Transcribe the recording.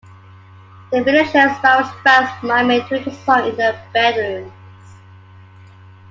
The video shows various fans miming to the song in their bedrooms.